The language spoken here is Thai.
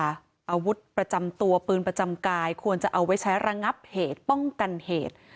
อาวุธประจำตัวปืนประจำกายควรจะเอาไว้ใช้ระงับเหตุป้องกันเหตุ